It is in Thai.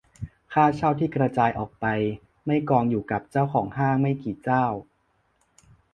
ค่าเช่าที่กระจายออกไป-ไม่กองอยู่กับเจ้าของห้างไม่กี่เจ้า